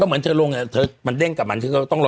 ก็เหมือนเธอลงเนี่ยเธอมันเด้งกับมันก็ต้องรอ๑๔